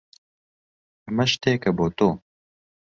ئەمە شتێکە بۆ تۆ.